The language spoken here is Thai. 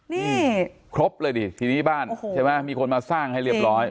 นี่ครบเลยดิทีนี้บ้านใช่ไหมมีคนมาสร้างให้เรียบร้อย